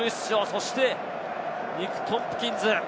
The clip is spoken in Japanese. そしてニック・トンプキンズ。